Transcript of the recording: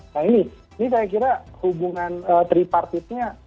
nah ini ini saya kira hubungan tripartitnya